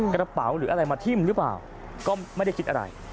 กระเป๋าหรืออะไรมาทิ้มหรือเปล่าก็ไม่ได้คิดอะไร